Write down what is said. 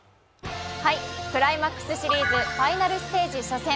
クライマックスシリーズファイナルステージ初戦。